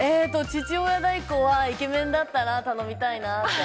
父親代行はイケメンだったら頼みたいなと。